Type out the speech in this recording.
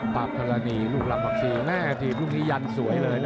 ปราบธรรณีลูกลำบังชีแน่ทีบลูกนี้ยันต์สวยเลยนะวันนี้